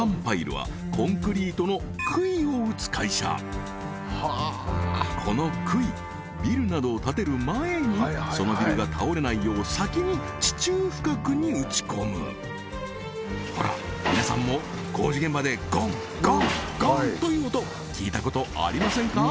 これでそうこの杭ビルなどを建てる前にそのビルが倒れないよう先に地中深くに打ち込むほら皆さんも工事現場で「ゴンゴンゴン」という音聞いたことありませんか？